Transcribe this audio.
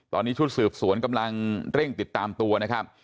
ตอนนี้ชุดสืบสวนกำลังเร่งติดตามตัวนะครับ